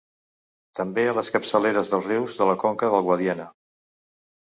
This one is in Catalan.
També a les capçaleres dels rius de la conca del Guadiana.